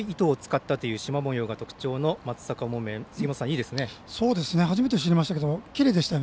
染めの糸を使ったというしま模様が特徴の松阪木綿、いいですね。